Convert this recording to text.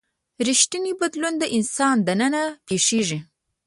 ریښتینی بدلون د انسان دننه پیښیږي.